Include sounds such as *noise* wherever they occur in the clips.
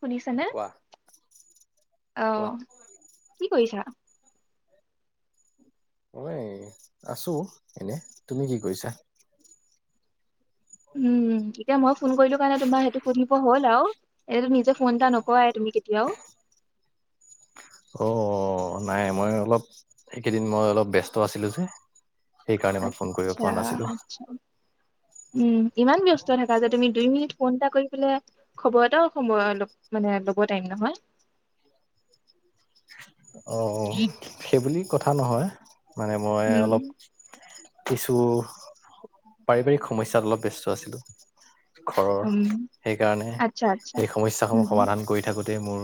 শুনিছানে, কোৱা কোৱা। অহ কি কৰিছা? মই আছো এনে, তুমি কি কৰিছা? উম। এতিয়া মই ফোন কৰিলো কাৰণে তোমাৰ সেইটো সুধিব হ'ল আৰু এনেতো নিজে ফোন এটা নকৰাই তুমি কেতিয়াও অ অ নাই মই অলপ সেইকেইদিন মই অলপ ব্যস্ত আছিলো যে সেইকাৰণে মই ফোন কৰিব আচ্ছা পৰা নাছিলো আচ্ছা উম ইমান ব্যস্ত থাকা যে তুমি দুই মিনিট ফোন এটা কৰিবলে খবৰ এটাও সময় মানে ল'ব টাইম নহয়। অ অ সেইবুলি কথা নহয় মানে মই, উম অলপ কিছু পাৰিবাৰিক সমস্যাত অলপ ব্যস্ত আছিলোঁ। ঘৰৰ, উম সেইকাৰণে। আচ্ছা আচ্ছা সেই সমস্যা সমূহ উম সমাধান কৰি থাকোতে তাকে, মোৰ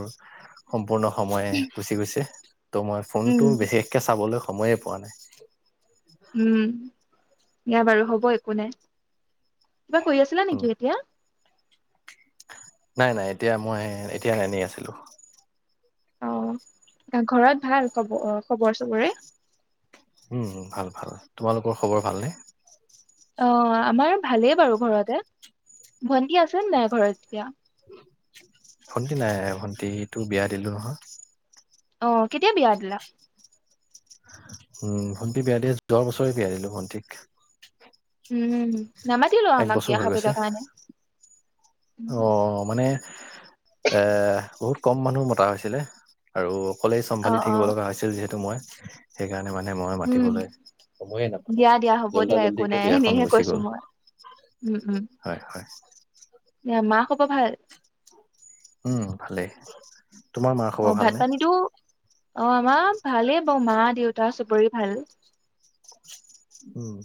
পূৰ্ণ সময়ে কৈছে ত' মই ফোনটো উম বিশেষকে চাবলৈ সময়ে পোৱা নাই। উম দিয়া বাৰু হ'ব একো নাই। কিবা কৰি আছিলা উম নেকি, এতিয়া? নাই, নাই, এতিয়া মই, এতিয়া এনেই আছিলোঁ। উম! ঘৰত ভাল? খবৰ খবৰ চবৰে? উম, ভাল! ভাল! তোমালোকৰ খবৰ ভালনে? অ' আমাৰ ভালেই বাৰু ঘৰতে। ভন্টি আছে নে নাই ঘৰত এতিয়া? ভণ্টি নাই।‌ভণ্টিটো বিয়া দিলোঁ নহয়। অ' কেতিয়া বিয়া দিলা? উম ভণ্টি বিয়া দিয়া দহ বছৰে, ‌ বিয়া দিলো ভণ্টিক। উম! নামা *unintelligible* এক আমাক বছৰ বিয়া হৈ গৈছে। খাবলৈ কাৰণে অ' মানেৎ এ বহুত কম মানুহ মতা হৈছিলে, আৰু অকলে অ চম্ভালি অ থাকিব লগা হৈছিল, যিহেতু মই সেই সেইকাৰণে মানে মই উম মাতিবলৈ, সময়ে নাপালোঁ। দিয়া দিয়া হ'ব জল্দা দিয়া একো জল্দিকে নাই বিয়াখন এনেইহে গুচি কৈছো গ'ল। মই উম উম হয়, হয়। দিয়া মা খবৰ ভাল? উম ভালেই। তোমাৰ মা অ খবৰ ভাত ভালনে? পানীতো অ' আমাৰ ভালেই বাৰু, মা, দেউতা চবৰে ভাল। উম!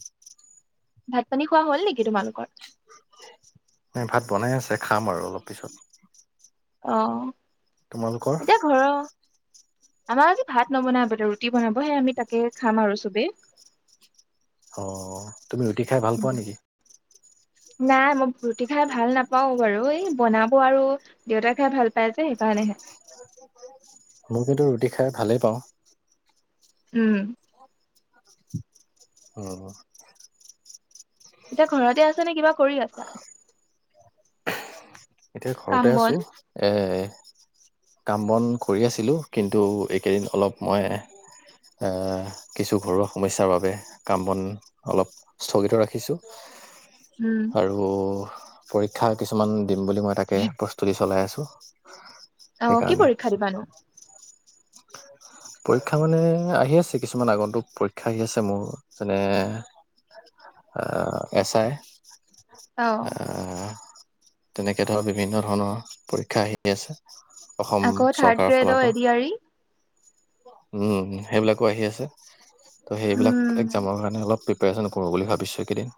ভাত পানী খোৱা হ'ল নেকি তোমালোকৰ? এ ভাত বনাই আছে, খাম আৰু অলপ পিছত। অ'হ! অ'হ! তোমালোকৰ? আমাৰ আজি ভাত নবনাই, ৰুটি বনাব। সেয়ে আমি তাকে খাম আৰু চবেই। অ'! তুমি ৰুটি খাই ভাল পোৱা নেকি? নাই মোক‌, ৰুটি খাই ভাল নাপাওঁ। নাপাও বাৰু এই বনাব আৰু দেউতা খাই ভাল পাই যে সেইকাৰণেহে মই কিন্তু ৰুটি খাই ভালেই পাওঁ। উম আহ। এতিয়া ঘৰতে আছে নে কিবা কৰি? আছা? এতিয়া কাম ঘৰতে বন আছো এ কাম বন কৰি আছিলোঁ কিন্তু এইকেইদিন অলপ মই এ কিছু ঘৰুৱা সমস্যাৰ বাবে কাম বন অলপ স্থগিত ৰাখিছোঁ । উম, আৰু। পৰীক্ষা কিছুমান দিম বুলি মই তাকে প্ৰস্তুতি চলাই আছোঁ। অ অ কি পৰীক্ষা দিবানো? পৰীক্ষা মানে আহি আছে কিছুমান আগন্তুক পৰীক্ষা আহি আছে মোৰ যেনে এছ আই অহ তেনেকে ধৰ বিভিন্ন ধৰণৰ পৰীক্ষা আহি আছে। অসম আকৌ থাৰ্ড চৰকাৰৰ ফালৰ গ্ৰেডৰ এ পৰা ডি আৰ ই উম সেইবিলাকো আহি আছে । ত' সেইবিলাক উম। একজামৰ কাৰণে অলপ প্ৰি প্ৰিপিৰেচন কৰোঁ বুলি ভাবিছোঁ এইকেইদিন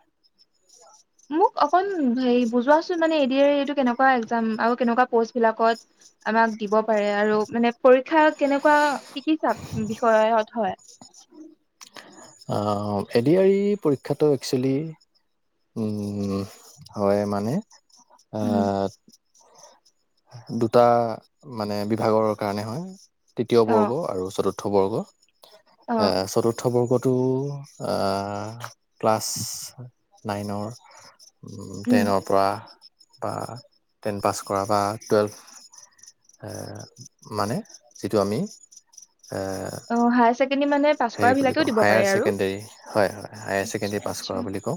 মোক অকণ হে বুজোৱাচোন মানে এ ডি আৰ ই ইটো কেনেকোৱা একজাম আৰু কেনেকুৱা পষ্ট বিলাকত আমাক দিব পাৰে আৰু মানে পৰীক্ষাত কেনেকোৱা কি কি বিষয়ত হয়? অ এ ডি আৰ ই পৰীক্ষাটো একচোৱেলি উম হয় মানে অ। উম, দুটা মানে বিভাগৰ কাৰণে হয়। তৃতীয় অ, বৰ্গ আৰু চতুৰ্থ, ৰ্থ বৰ্গ। অ চতুৰ্থ বৰ্গত টো অ ক্লাছ নাইনৰ উম, টেনৰ পৰা বা টেন পাছ কৰা বা টুৱেলভ মানে যিটো আমি অহ। সেখিনি মানে পাছ কৰা বিলাকেও দি পাৰে আৰু হয়, হয় হায়াৰ ছেকেণ্ডেৰী পাছ কৰা আচ্ছা বুলি কওঁ।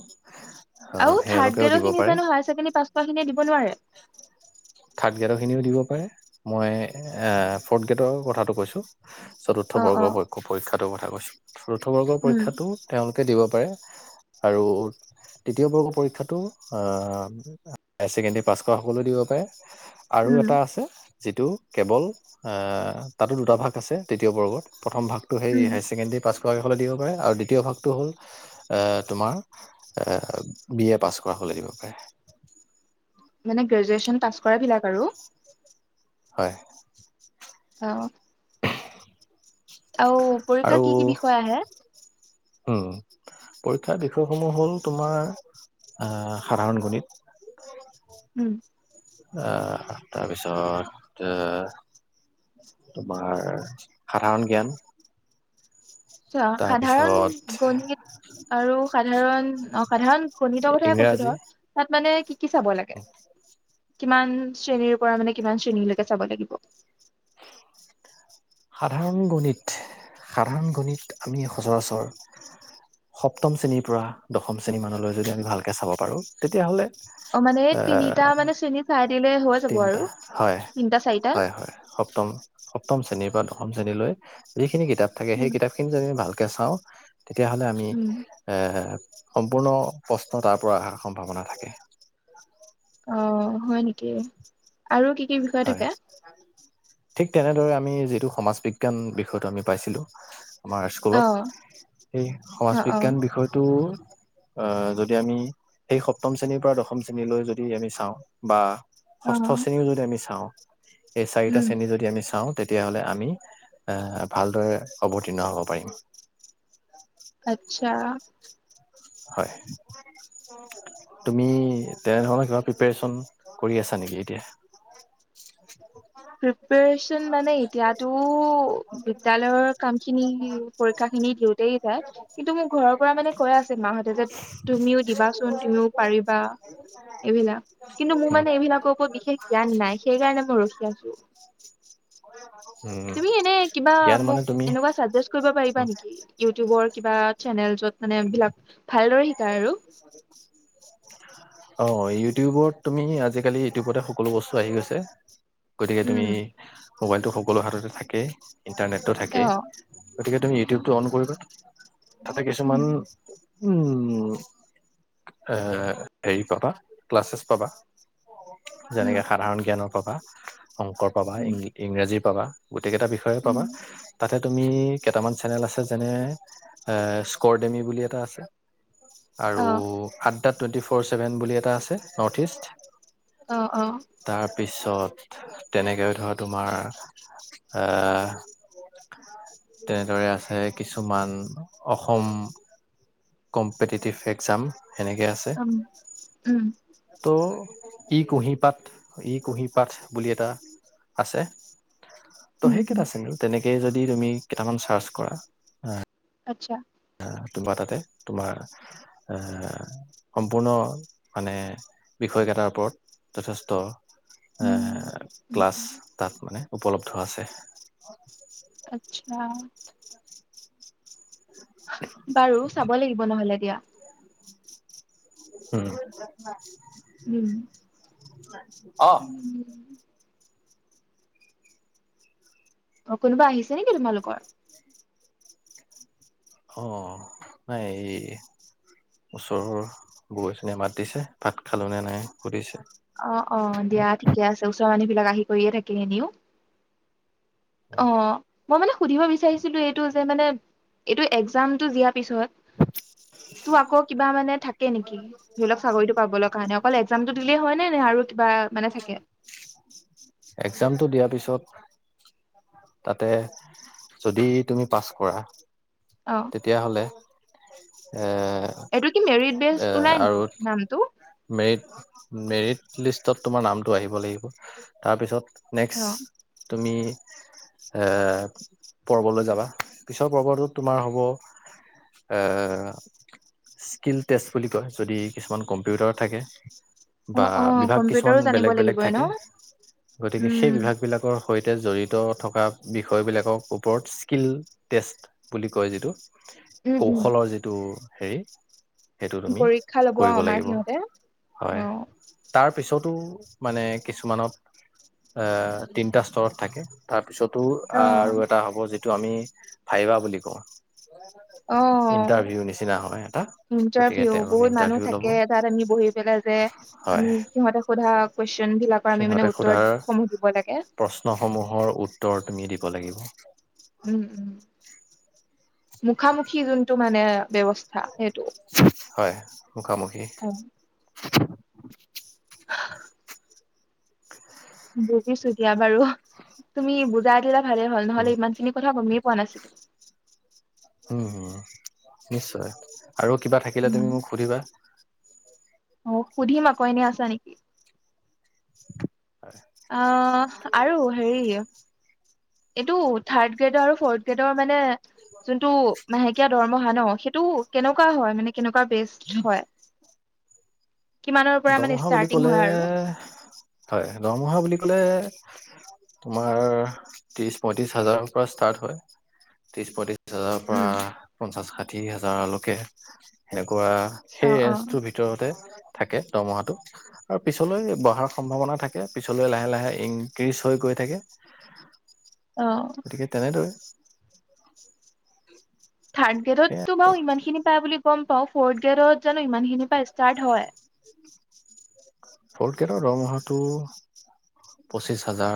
অ', আৰু থাৰ্ড সেওঁলোকেও দিব গ্ৰেডৰখিনি পাৰে জানো হায়াৰ ছেকেণ্ডেৰী পাছ কৰা খিনিয়ে দিব নোৱাৰে। থাৰ্ড গ্ৰেডৰখিনিও দিব পাৰে মই ফৰ্ড গ্ৰেডৰ কথাটো কৈছোঁ। অ, চতুৰ্থ অ, বৰ্গৰ পৰীক্ষাটোৰ কথা কৈছো। চতুৰ্থ বৰ্গৰ উম, পৰীক্ষাটো তেওঁলোক দিব পাৰে আৰু তৃতীয় বৰ্গ পৰীক্ষাটো আ হায়াৰ ছেকেণ্ডেৰী পাছ কৰা সকলো দিব পাৰে। আৰু উম, এটা আছে। যিটো কেৱল এ তাতো দুটা ভাগ আছে তৃতীয়বৰ্গত। প্ৰথম ভাগটো সেই উম, হায়াৰছেকেণ্ডাৰী পাছ লৈ হলে দিব পাৰে আৰু দ্বিতীয় ভাগটো হ'ল, তোমাৰ বি এ পাছ কৰা হ'লে দিব পাৰে। মানে, গ্ৰেজুৱেচন পাছ কৰা বিলাক আৰু হয়। অহ আৰু পৰীক্ষা আৰু কি-কি বিষয় আহে? উম' পৰীক্ষাৰ বিষয়সমূহ হ'ল, তোমাৰ আহ' সাধাৰণ গণিত, উম, তাৰপিছত, তোমাৰ সাধাৰণ জ্ঞান, আচ্ছা সাধাৰণ তাৰপিছত গণিত আৰু সাধাৰণ অ' সাধাৰণ গণিতৰ কথাকে কৈছো ইংৰাজী ধৰ। তাত মানে কি কি চাব লাগে? কিমান শ্ৰেণীৰ পৰা, মানে কিমান শ্ৰেণীলৈকে চাব লাগিব। সাধাৰণ গণিত, সাধাৰণ গণিত আমি সচৰাচৰ সপ্তম শ্ৰেণীৰ পৰা দশম শ্ৰেণী মানলৈ যদি আমি ভালকৈ চাব পাৰোঁ। তেতিয়াহ'লে অ মানে এ তিনিটা মানে শ্ৰেণী চাই দিলে হৈ যাব আৰু তিনটা তিনিটা চাৰিটা হয়-হয়-হয় সপ্তম-সপ্তম শ্ৰেণীৰ, দশম শ্ৰেণীলৈ যিখিনি কিতাপ থাকে, উম সেই কিতাপখিনি যদি ভাল কে চাওঁ, তেতিয়াহ'লে আমি উম এ সম্পূৰ্ণ প্ৰশ্নতাৰ পৰা অহাৰ সম্ভাৱনা থাকে। অ' হয় নেকি? আৰু কি কি বিষয় হয় থাকে। ঠিক তেনেদৰে আমি যিটো সমাজ বিজ্ঞান বিষয়টো আমি পাইছিলো, আমাৰ অ স্কুলত সেই অ সমাজ অ বিজ্ঞান বিষয়টো, অহ' যদি আমি সেই সপ্তম শ্ৰেণীৰ পৰা দশম শ্ৰেণীলৈ যদি আমি চাওঁ, বা অ ষষ্ঠ শ্ৰেণীও যদি আমি চাওঁ। চাও। এই চাৰিটা উম শ্ৰেণী যদি আমি চাওঁ, তেতিয়াহলে আমি এ ভালদৰে অৱতীৰ্ণ হ'ব পাৰিম। আচ্ছা। হয়। তুমি ডেৰগাৱত কিবা প্ৰিপেৰেচন কৰি আছা নেকি এতিয়া? প্ৰিপেৰেচন মানে এতিয়াতো, বিদ্যালয়ৰ কামখিনি পৰীক্ষা খিনি দিওঁতেই যায়। কিন্তু মোক ঘৰৰ পৰা মানে কৈ আছে মা হত তুমিও দিবাচোন তুমিও পাৰিবা এইবিলাক, কিন্তু মোৰ উম, মানে, এইবিলাকৰ ওৰত বিশেষ জ্ঞান নাই। সেই কাৰণে মই ৰখি উম, তুমি এনে কিবা জ্ঞান মানে মোক তুমি এনেকুৱা চাজেষ্ট কৰিব পাৰিবা নেকি? ইউটিউবৰ কিবা চেনেল্ছত মানে এইবিলাক ভালদৰে শিকায় আৰু। অ ইউটিউবত তুমি আজিকালি ইউটিউবতে সকলো বস্তু আহি গৈছে গতিকে তুমি উম মোবাইলটো সকলোৰ হাততে থাকেই ইণ্টাৰনেটটো অ থাকেই গতিকে তুমি ইউটিউবটো অন কৰি কিছুমান উম উম, এ হেৰি পাবা, ক্লাছেছ পাবা। উম যেনেকে সাধাৰণ জ্ঞানৰ পাবা। অংকৰ পাবা উম ইং ইংৰাজী পাবা। গোটেইকেইটা বিষয়ে পাবা, উম তাতে তুমি কেটামান চেনেল আছে যেনে স্ক কৰ্ডেমি বুলি এটা আছে। অ আৰু আদ দ্যা টুৱেণ্টি ফ'ৰ ছেভেন বুলি এটা আছে নৰ্থ ইষ্ট। অ অ। পিছত তেনেকে ধৰ তোমাৰ এ তেনেদৰে আছে কিছুমান, অস সম কম্পিটিটিভ এক্সজাম। সেনেকে আছে, উম উম ত' ই কুঁহি পাঠ, ই কুঁহি পাঠ বুলি এটা আছে। ত উম উম সেইকেইটা চেনেল, তেনেক সেই যদি তুমি কেটামান চাৰ্চ কৰা আচ্ছা। তোমা তাতে তোমাৰ এ সম্পূৰ্ণ মানে বিষয় কেইটাৰ ওপৰত যথেষ্ট উম, এ উম, ক্লাছ উম, তাত মানে উপলব্ধ আছে। আচ্ছা। বাৰু চাব লাগিব নহলে। এতিয়া। উ। উম। অহ। অ কোনোবা আহিছে নেকি তোমালোকৰ? অ নাই। এই ওচৰৰ বৌ এজনীয়ে মাত দিছে ভাত খালো নে নাই সুধিছে। অ', অ', দিয়া ঠিকে আছে ওচৰৰ মানুহ বিলাক আহি কৰিয়ে থাকে এনেও। অহ। মই মানে সুধিব বিচাৰিছিলো এইটো যে মানে এইটো এক্জামটো যি পিছতো আকৌ কিবা মানে থাকে নেকি? ধৰি লওক চাকৰিতটো পাবলৈ কাৰণে অকল একযামতো হয় ন নাই আৰু কিবা মানে থাকে। এক্সামটো দিয়াৰ পিছত তাতে যদি তুমি পাছ কৰা। অ', তেতিয়াহ'লে। হয়। এইটো কি মেৰিট বেচ ওলাই আৰু নেকি? নামটো? মেৰিট মেৰিট লিষ্টত তোমাৰ নামটো আহিব লাগিব। তাৰপিছত অ', নেক্স তুমি এৰ পৰ্বলৈ যাবা পিছৰ পৰ্বটোত তোমাৰ হ'ব এ! স্কিল টেষ্ট বুলি কয় যদি কিছুমান কম্পিউটাৰ থাকে বা অ', অ', বিভাগ কিছুমান কম্পিউটাৰো জানিব বেলেগ বেলেগ লাগিবই ন? থাকে গতিকে সেই উম, বিভাগ বিলাকৰ সৈতে তে জড়িত থকা বিষয়বিলাকৰ ওপৰত স্কীল টেষ্ট বুলি কয় যিটো উম, উম। কৌশলৰ যিটো। হেই পৰীক্ষা ল'ব আমাৰ সিহঁতে হয় ।অ তাৰ পিছতো মানে কিছুমানত তিনিটা স্তৰত থাকে তাত পিছতো আৰু এটা হ'ব যে- সেইটো আমি ভাইবা বুলি কওঁ। অ ইণ্টাৰভিউ নিচিনা হয় এটা গতিকে ইটাৰভিউ তেওঁলোকে বহুত মানুহ ইণ্টাৰভিউ ল'ব থাকে তাত আমি বহি পেলে যে হয় আমি সিহঁতে সোধা কুৱেচন বিলাকৰ আমি ম সিহঁতে উত্তৰ সোধাৰ সমূহ দিব লাগে প্ৰশ্নসমূহৰ উত্তৰ তুমি দিব লাগিব। উম উম। মুখামুখি যোনটো মানে ব্যৱস্থা সেইটো। হয় মুখামুখি অ *unintelligible* বুজিছো দিয়া বাৰু তুমি বুজাই দিলা ভালে হ'ল উম নহলে ইমান খিনি কথা গমি পোৱা নাছিল উম নিশ্চয় আৰু কিবা থাকিলে উম তুমি মোক সুধিবা অ সুধিম আক এনেই আছা নেকি *unintelligible* অহ আৰু হেৰি এইটো থাৰ্ড গ্ৰেডৰ আৰু ফৰ্থ গ্ৰেডৰ মানে যোনটো মাহেকীয়া দৰমহা ন সেইটো কেনেকুৱা হয় মানে কেনেকুৱা বেচ হয় কিমানৰ পৰা মানে দৰমহা বুলি ষ্টাৰ্টিং ক'লে হয় আৰু হয় দৰমহা বুলি মানে তোমাৰ টিছ পৈত্ৰিছ হাজাৰ পৰা ইস্তাত হয় ত্ৰিচ পৈত্ৰিচ বিশ হাজাৰৰ পৰা উম পঞ্চাছ ঠিক আছে অকে খোৱা অ সেই অ ৰেজটোৰ ভিতৰতে থাকে দমহাটো আৰু পিছলৈ বহাৰ সম্ভাৱনা থাকে পিছলৈ লাহে লাহে ইনক্ৰিজ হৈ গৈ থাকে অ গতিকে তেনেদৰে *unintelligible* থাৰ্ড সেয়া গ্ৰেডতো বাৰু ইমান খিনি পাই বুলি গম পাও ফৰ্থ গেডত জানো ইমান খিনিৰ পৰা ষ্টাৰ্ট হয় ফৰ্থ গ্ৰেডৰ দৰমহাটো পঁচিশ হাজাৰ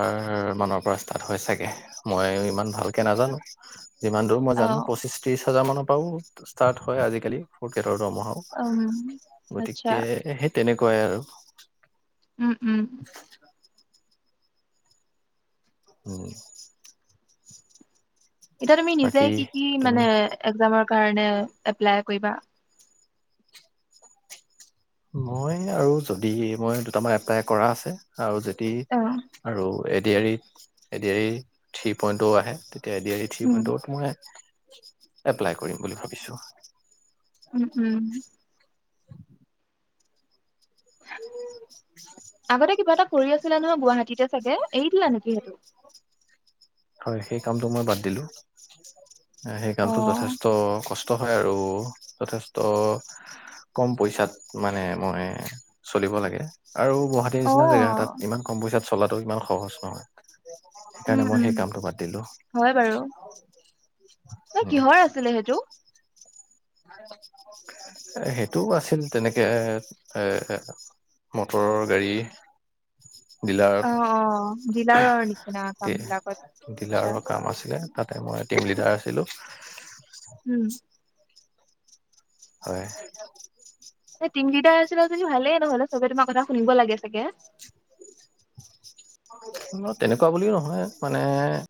মানৰ পৰা ষ্টাৰ্ট হয় চাগে মই ইমান ভালকে নাজানো যিমান দূৰ মই অ জানো পঁচিশ ত্ৰিশ হাজাৰ মানৰ হয় ষ্টাৰ্ট হয় আজি কালি উম দৰমহাও আচ্ছা গতিকে সেই তেনে কয় আৰু উম উম *unintelligible* এতিয়া তুমি নিজে বাকী কি কি তুমি মানে একজামৰ কাৰণেও এপ্লাই কৰিবা মই আৰু যদি মই দুটামান এপ্লাই কৰা আছে আৰু যদি অ আৰু এডিআৰি এ এডিআৰি থ্ৰী পইণ্টও আহে এডিআৰি থ্ৰী উম পইণ্টটো টো মানে। এপ্লাই কৰিম বুলি ভাবিছোঁ। অ। উম উম আগতে কিবা এটা কৰি আছিলে নহয় গুৱাহাটী তেতিয়া ছাগে। হয়। সেই কামটো মই বাদ দিলোঁ। সেই কামটো অ যথেষ্ট কষ্ট। হয় আৰু যথেষ্ট কম পইচাত মানে মই চলিব লাগে। আৰু গুৱাহাটীৰ অ নিচিনা জেগা এটাত ইমান কম পইচাত। চলাটো ইমান সহজ নহয়। হয়। উম উম হয় বাৰু ন কিহৰ আছিলে সেইটো। সেইটো আছিল তেনেকে এ মটৰৰ গাড়ী। ডিলাৰত অ অ ডিলাৰৰ নিচিনা কাম বিলাকত আচ্ছা ডিলাৰৰ কাম আছিলে তাতে মই টিম লিডাৰ আছিলো। উম। হয়। এই দিন কেইটা আছিলে যদি ভালেই। নহলে চবে তোমাৰ কথা শুনিব লাগে চাগে। তেনেকুৱা বুলিও নহয় মানে।